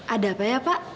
ada apa ya pak